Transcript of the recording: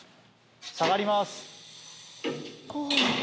下がります！